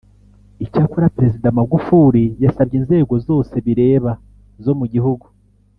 Icyakora Perezida Magufuli yasabye inzego zose bireba zo mu gihugu